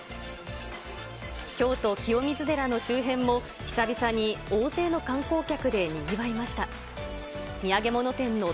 京都・清水寺の周辺も、久々に大勢の観光客でにぎわいました。